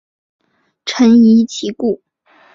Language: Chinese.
臣疑其故。